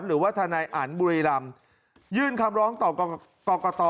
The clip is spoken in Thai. หรือว่าทนายอันบุรีรำยื่นคำร้องต่อกรกต